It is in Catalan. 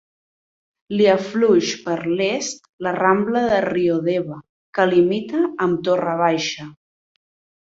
Li afluïx per l'est la rambla de Riodeva, que limita amb Torre Baixa.